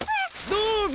どうぞ！